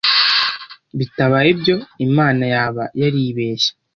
bitabaye ibyo Imana yaba yaribeshye